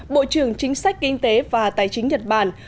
bộ trưởng chính sách kinh tế và tài chính nhật bản